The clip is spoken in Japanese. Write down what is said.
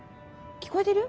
聞こえてる？